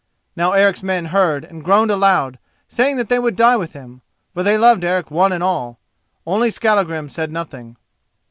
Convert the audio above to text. Now Eric's men heard and groaned aloud, saying that they would die with him, for they loved Eric one and all. Only Skallagrim said nothing.